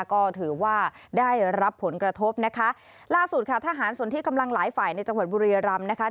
ก็ถือว่าได้รับผลกระทบนะคะล่าสุดค่ะทหารส่วนที่กำลังหลายฝ่ายในจังหวัดบุรียรำนะคะ